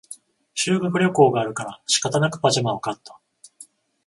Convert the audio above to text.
修学旅行があるから仕方なくパジャマを買った